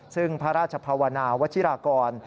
ซึ่งพระราชภาวนาวัชิรากร